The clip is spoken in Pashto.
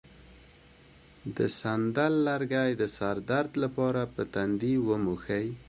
د سندل لرګی د سر د درد لپاره په تندي ومښئ